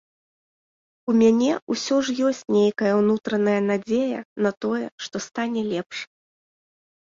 У мяне ўсё ж ёсць нейкая ўнутраная надзея на тое, што стане лепш.